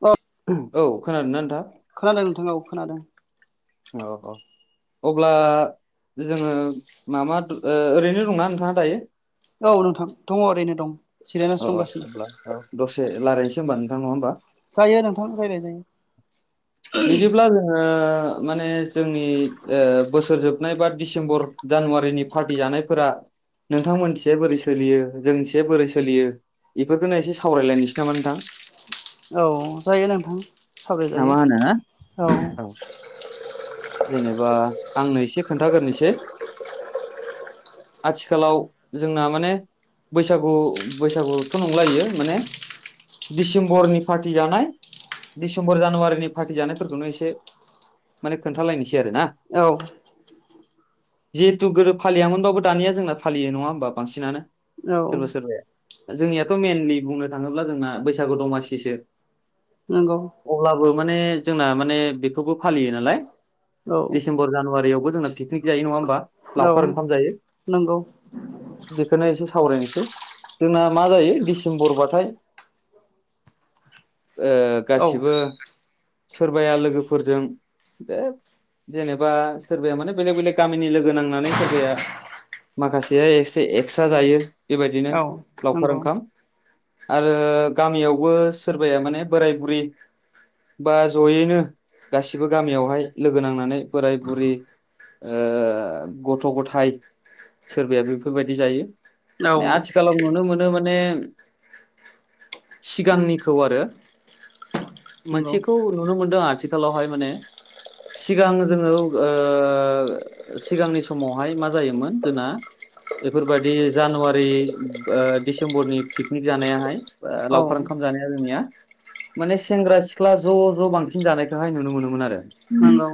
औ औ खोनादोंना नोंथां खोनादों नोंथां खोनादों औ औ अब्ला जोङो माबा ओरैनो दंना नोंथाङा दायो औ नोंथां दङ ओरैनो दं औ सिरायनासो दंगासिनो होमब्ला औ दसे रायनोसै हबा नोंथां नङा होनोमबा जायो नोंथां रायलाय जायो बिदि प्लास आ माने जोंनि ओ बोसोर जोबनाय बा दिसेम्बर जानुवारिनि पार्टि जानायफोरा नोंथांमोनसे बोरै सोलियो जोंथि बोरै सोलियो इफोरखौनो एसे सावरायलायनोसै नामा नोंथां औ जायो नोंथां सावराय ना मा होनो जायो औ जेनेबा आंनो एसे खोन्थाग्रोनोसै आथिखालाव जोंना माने बैसागु बैसागुथ' नंला इयो माने दिसेम्बरनि पार्टि जानाय दिसेम्बर जानुवारिनि पार्टि जानायफोरखौनो एसे माने खोन्थालायनोसै आरो ना औ जिहेतु गोरोब फालियामोनबाबो दानिया जोंना फालियो नङा होमबा बांसिनानो औ सोरबा सोरबाया जोंनियाथ' मइेनलि बुंनो थाङोब्ला जोंना बैसागु दमासिसो नंगौ अब्लाबो माने जोंना माने बेखौबो फालियो नालाय औ दिसेम्बर जानुवारियावबो जोंना पिकनिक जायो नङा होमबा औ लावखार ओंखाम जायो नंगौ बेखौनो एसे सावरायनोसै जोंना मा जायो डिसेम्बरबाथाय औ गासिबो सोरबाया लोगोफोरजों बे जेनेबा सोरबाया माने बेलेग बेलेग गामिनि लोगो नांनानै सोरबाया माखासेया एक्सट्रा जायो बेबायदिनो औ लावखार नंगौ ओंखाम आरो गामियावबो सोरबाया माने बोराय बुरि बा जयैनो गासिबो गामियाव बेवहाय लोगो नांनानै बोराय बुरि गथ' गथायाइ सोरबाया बेफोरबायदि जायो औ म आथिखालाव नुनो मोनो माने सिगांनिखौ आरो नंगौ मोनसेखौ नुनो मोनदों आथिखालावहाय माने सिगां जोङो सिगांनि समावहाय मा जायोमोन जोंना बेफोरबायदि जानुवारि दिसेम्बरनि पिकनिक जानायाहाय औ लावखार ओंखाम जानाय जोंनिया माने सेंग्रा सिख्ला ज' ज' बांसिन जानायखौहाय नुनो मोनोमोन आरो नगौ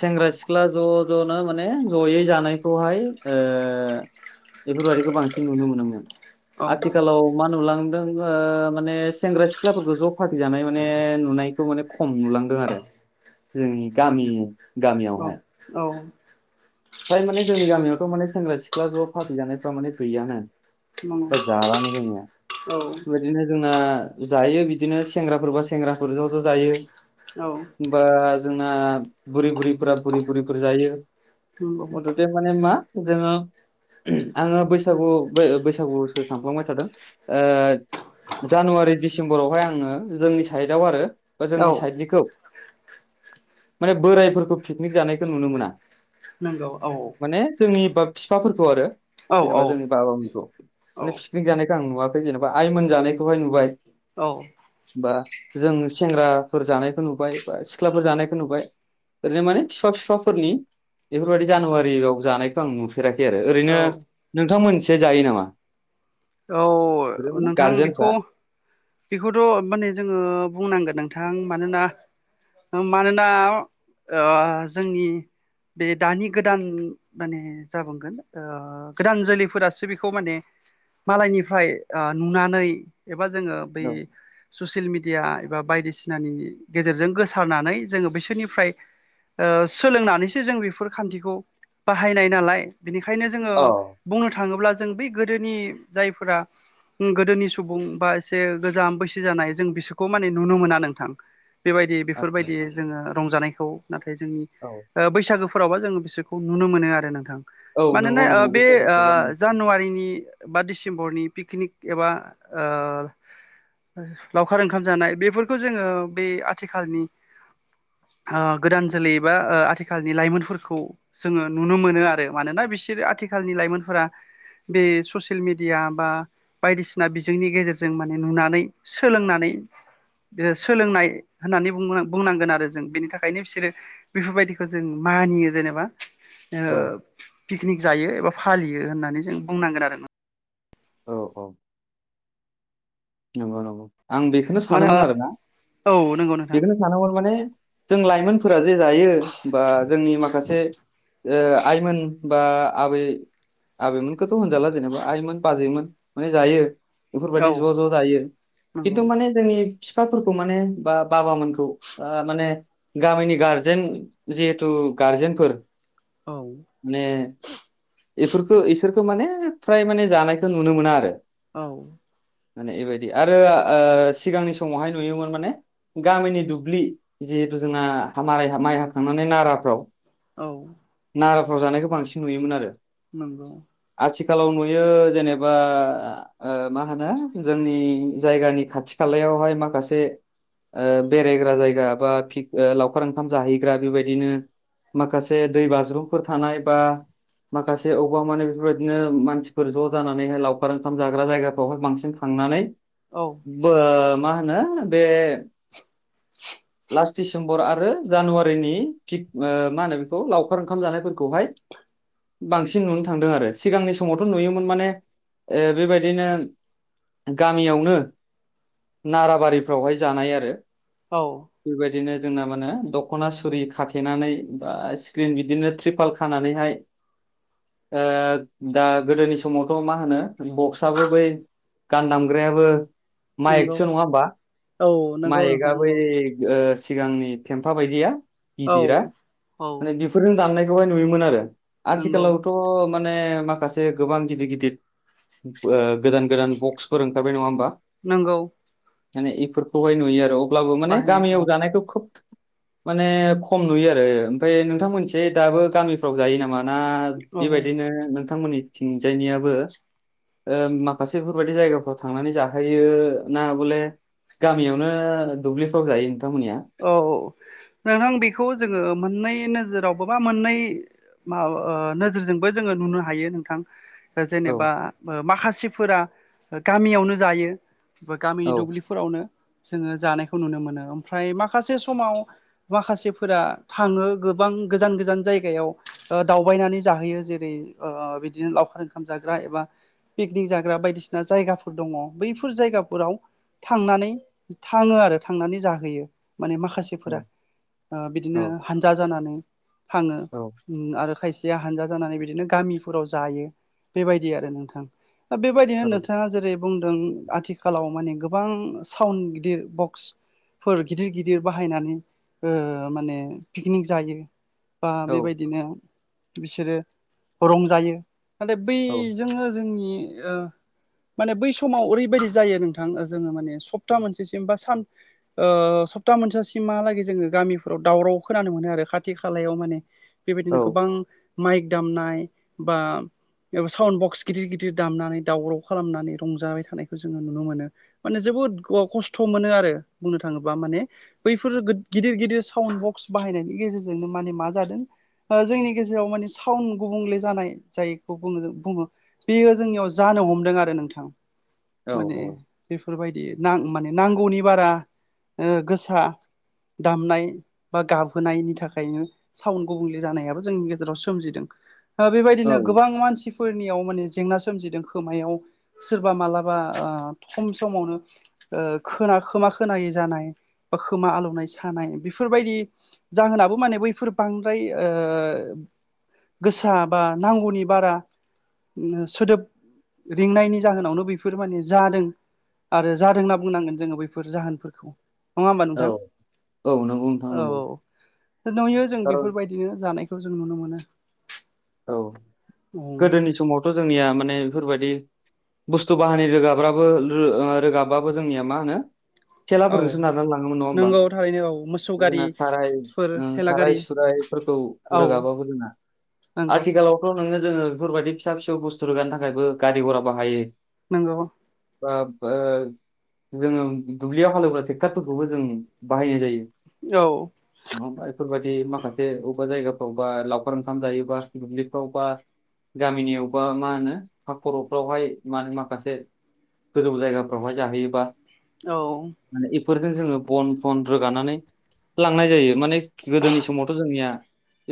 सेंग्रा सिख्ला ज' ज'नो माने जयै जानायखौहाय बेफोरबायदिखौ बांसिन नुनो मोनोमोन आथिखालाव मा नुलां माने सेंग्रा सिख्लाफोरखौ ज' फा्टिजानाय माने नुनायखौ माने खम नुलांदों आरो जोंनि गामि औ गामियावहाय औ फ्राय माने जोंनि गामियावथ' माने सेंग्रा सिख्ला ज' फाै जानायफ्रा माने गैयानो नंगौ बाजारानो दङया औ बिदिनो जोंना जायो बिदिनो सेंग्राफोरबा सेंग्राफोरजोंथ' जायो औ एखनबा जोंना बुरि बुरिफोरा बुरि बुरिफोर जायो नंगौ मथु थे माने मा जोडो आङो बैसागु बैसागु ओ बैसागुसो थांफ्लांबाय थादों ओ जानुवारि दिसेम्बरावहाय आङो जोंनि साइडआव आरो बा औ जोंनि साइडनिखौ माने बोरायफोरखौ पिकनिक जानायखौ नुनो मोना नंगौ औ माने जोंनि ब बिफाफोरखौ आरो जेनेबा जोंनि बाबामोनखौ माने पिकनिक जानायखौ आं नुवाखै जेनेबा आइमोन जानायखौहाय नुबाय औ बा जों सेंग्राफोर जानायखौ नुबाय बा सिख्लाफोर जानायखौ नुबाय ओरैनो माने फिफा फिफाफोरनि बेफोरबायदि जानुवारियाव जानायखौ आं नुफेराखै आरो औ ओरैनो नोंथां मोननिथिजाय जायो नामा बेफोरो औ माने नोंथां गारजेनफ्रा बेखौ बेखौथ' माने जोङो बुंनांगोन नोंथां मानोना मानोना ओ जोंनि बे दानि गोदान माने जाबुंगोन गोदान जोलैफोरासो बेखौ माने मालायनिफ्राय नुनानै एबा जोङो बै औ ससियेल मिडिया एबा बायदिसिनानि गेजेरजों गोसारनानै जोङो बिसोरनिफ्राय ओ सोलोंनानैसो जों बेफोर खान्थिखौ बाहायनाय नालाय बिनिखायनो जोङो औ बुंनो थाङोब्ला जों बै गोदोनि जायफोरा गोदोनि सुबुं बा एसे गोजाम बैसो जानाय जों बिसोरखौ माने नुनो मोना नोंथां बेबायदि आदसा बेफोरबायदि जोङो रंजानायखौ नाथाय जोंनि औ ओ बैसागोफोरावबा जोङो बिसोरखौ नुनो मोनो आरो नोंथां औ मानोना नंगौ ओ नंगौ बे ओ बैसागुखौबो आं जानुवारिनि बा दिसेम्बरनि पिकनिक एबा ओ लावखार ओंखाम जानाय बेफोरखौ जोङो बे आथिखालनि ओ गोदान जोलै बा आथिखालनि लाइमोनफोरखौ जोङो नुनो मोनो आरो मानोना बिसोर आथिखालनि लाइमोनफोरा बे ससियेल मेडिया बा बायदिसिना बिजोंनि गेजेरजों माने नुनानै सोलोंनानै सोलोंनाय होननानै बुंनांगोन आरो जों बेनि थाखायनो बिसोरो बेफोरबायदिखौ जों मानियो जेनेबा ओ औ पिकनिक जायो एबा फालियो होननानै जों बुंनांगोन आरो औ औ नंगौ नंगौ आं बेखौनो मानो सानोमोन आरो ना औ नंगौ नोंथां बेखौ सानांगौ माने जों लाइमोनफोरा जे जायो बा जोंनि माखासे ओ आइमोन बा आबै आबैमोन बेखौथ' होनजाला जेनेबा आइमोन बाजैमोन माने जायो औ बेफोरबायदि ज' ज' ज जायो नंगौ खिन्थु माने जोंनि बिफाफोरखौ माने बा बाबामोनखौ माने गामिनि गारजेन जिहेतु गारजेनफोर औ माने बेफोरखौ इसोरखौ माने फ्राय माने जानायखौ नुनो मोना आरो औ माने बेबायदि आरो ओ सिगांनि समावहाय नुयोमोन माने गामिनि दुब्लि जिहेथु जोंना माराय माइ हाखांनानै नाराफ्राव औ नाराफ्राव जानायखौ बांसिन नुयोमोन आरो नंगौ आथिखालाव नुयो जेनेबा मा होनो जोंनि जायगानि खाथि खालायावहाय माखासे ओ बेरायग्रा जायगा बाि लावखार ओंखाम जाहैग्रा बेबायदिनो माखासे दै बाज्रुमफोर थानाय बा माखासे बबेबा माने बेफोरबायदिनो मानसिफोर ज' जानानैहाय लावखार ओंखाम जाग्रा जायगाफ्रावहाय बांसिन थांनानै औ। बो मा होनो बे फार्स्ट दिसेम्बर आरो जानुवारिनि थिग मा होनो बेखौ लावखार ओंखाम जानायफोरखौहाय बांसिन नुनो थांदों आरो सिगांनि समावथ' नुयोमोन माने ओ बेबायदिनो गामियावनो नाराबारिफ्रावहाय जानाय आरो। औ बेबायदिनो जोंना माने दख'ना सुरि खाथेनानै बा स्क्रिन बिदिनो ट्रिपाल खानानैहाय दा गोदोनि समावथ' मा होनो बक्सआबो बै गान दामग्रायाबो नंगौ माइकसो नङा होमबा औ नंगौ माइकआ नोंथां बै नंगौ सिगांनि फेम्फा बायदिया औ गिदिरा औ माने बेफोरजों दाननायखौहाय नुयोमोन आरो नंगौ आथिखालावथ' माने गोबां गिद गिद गोदान गो बक्फोर ओंखारबाय नङा होमबा। नोंगौ। माने इफोरखौहाय नुयो आरो अब्लाबो माने बाहायनाय गामियाव औ जानायखौ खुब माने खम नुयो आरो ओमफाय नोंथांमोनिथि दाबो गामिफ्राव जायो नामा। ना औ बेबायदिनो नोंथांमोननिथिंजायनियाबो ओ माखासे बेफोरबायदि जायगाफ्राव थांनानै जाखोयो ना बले गामियावनो दुब्लिफ्राव जायो नोंथांमोननिया। औ नोंथां बेखौ जोङो मोननै नोजोराव बा मोननै मा ओ नोजोरजोंबो जोङो नुनो हायो नोंथां। औ जेनेबा माखासेफोरा गामियावनो जायो औ गामिनि दुब्लि फोरावनो जोङो जानायखौ नुनो मोनो ओमफ्राय माखासे समाव माखासेफोरा थाङो गोबां गोजान-गोजान जायगायाव ओ दावबायनानै जाहोयो जेरै ओ बिदिनो लावखार ओंखाम जाग्रा एबा पिकनिक जाग्रा बायदिसिना जायगाफोर दङ बैफोर जायगाफोराव थांनानै थाङो आरो थांनानै जाहो हैयो माने माखासे ओ औ बिदिनो हानजा जानानै थाङो। औ ओ आरो खायसेया हानजा जानानै बिदिनो गामिफोराव जायो बेबायदि आरो नोंथां। बेबायदिनो औ नोंथाङा जेरै बुंदों आथिखालाव माने गोबां साउन्ड गिदिर बक्स फोर गिदिर-गिदिर बाहायनानै ओ माने पिकनिक जायो। बा औ बेबायदिनो बिसोरो रंजायो। नाथाय औ बैजोंनो जोंनि ओ माने बै समाव ओरैबायदि जायो नोंथां जोङो माने सप्ता मोनसेसिम बा सान ओ सप्ता मोनसासिमहालागै जोङो गामिफोराव दावराव खोनानो मोनो आरो खाथि खालायाव माने। बेबायदिनो गोबां माइक दामनाय बा साउन्ड बक्स गिदिर-गिदिर दामनानै दावराव खालामनानै रंजाबाय थानायखौ जोङो नुनो मोनो। माने जोबोद खस्थ' मोनो आरो बुंनो थाङोब्ला माने। बैफोर गिदिर - गिदिर साउन्ड बक्स बाहायनायनि गेजेरजोंनो माने मा जादों जोंनि गेजेराव मानि साउन्ड गुबुंले जानाय जायखौ बुङो-बुङो। बेयो जोंनियाव जानो हमदों आरो नोंथां। औ माने बेफोरबायदि नां माने नांगौनि बारा ओ गोसा दामनाय बा गाबहोनायनि थाखायनो साउन्ड गुबुंले जानायाबो जोंनि गेजेराव सोमजिदों। ओ औ बेबायदिनो गोबां मानसि फोरनियाव माने जेंना सोमजिदों खोमायाव सोरबा मालाबा ओ खम समावनो ओ खोना खोमा खोनायै जानाय बा खोमा आलौनाय सानाय बेफोरबायदि जाहोनाबो माने बैफोर बांद्राय ओ गोसा बा नांगौनि बारा सोदोब रिंनायनि जाहोनावनो बेफोर माने जादों आरो जादों होनना बुंनांगोन जोङो बैफो फोर जाहोनफोरखौ नङा होमबा औ नोंथां औ नंगौ नोंथां औ नंगौ औ नुयो जों खारन बेफोरबायदि बिदिनो जानायखौ जों नुनो मोनो औ गोदोनि औ समावथ' जोंनिया माने बेफोरबायदि बुस्थु बाहानि रोगाब्राबो रो रोगाबाबो जोंनिया मा होनो औ तेलाफोरजोंसो नारना लाङोमोन नङा होमबा नंगौ थारैनो औ मोसौ जोंना गारिफोर साराय ओम थेला गारि साराय सुरायफोरखौ औ रागाबाबो रोङा नंगौ आथिखालावथ' नोङो जोङो बेफोरबायदि फिसा फिसौ बुस्थु रोगानो थाखायबो गारि गरा बाहायो। नंगौ। बाब ओ जोङो दुब्लियाव हालेवग्रा ट्रेक्टारफोरखौबो जों बाहायनाय जायो। औ। नङाबा बेफोरबायाददि माखासे बबेबा जायगाफ्रावबा लावखार ओंखाम जायो बा दुब्लिफाव बा गामिनियावबा मा होनो खर'फ्रावहाय मा होनो माखासे गोजौ जायगाफ्रावहाय जाहैयोबा औ माने बेफोरजों जोङो बन बन रोगानानै लांनाय जायो माने गोदोनि समावथ' जोंनिया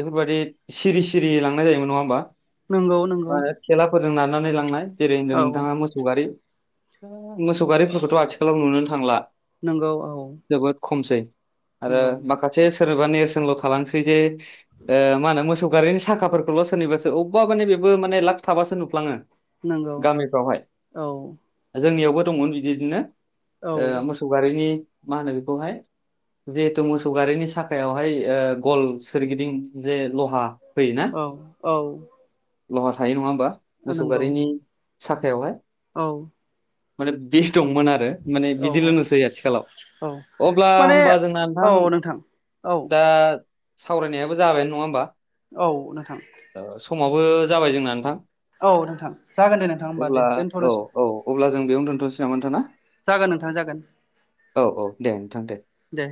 बेफोरबायदि सिरि सिरि लांनाय जायोमोन नङा होमबा नोंगौ मा नोंगौ होनो थेलाफोरजों नारनानै लांनाय जेरै होनदों नोंथाङा मोसौ गारि मोसौ गारिफोरखौथ' आथिखालाव नुनोनो थांला नोंगौ औ जोबोद खमसै आरो नंगौ माखासे सोरबा नेरसोनल' थालांसै जे ओ मा होनो मोसौ गारिनि थाखाफोरखौल' सोनिबासो अबेबा माने बेबो माने लाख थाबासो नुफ्लाङो नंगौ गामिफ्रावहाय औ जोंनियावबो दंमोन बिदिदिनो औ ओ मो सौगारिनि मा होनो बेखौहाय जिहेथु मोसौ गारिनि साखायावहाय ओ गल सोरगिदिं जे लहा होयोना औ औ लहा थायो नङा होमबा मोसौ नंगौ गारिनि साखायावहाय औ माने बे दंमोन आरो माने औ बिदिल' नुसै औ आथिखालाव अब्ला माने होमबा जोंना औ नोंथां औ दा सावरायनायाबो जाबायानो नङा होमबा औ नोंथां ओ समावबो जाबाय जोंना नोंथां औ नोंथां जागोन दे नोंथां होमबा अब्ला दे औ दोनथ'नोसै औ अब्ला जों बेयाव दोनथ'नोसै ना नोंथां ना जागोन नोंथां जागोन औ औ दे नोंथां दे दे